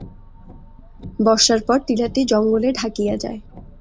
বর্ষার পর টিলাটি জঙ্গলে ঢাকিয়া যায়।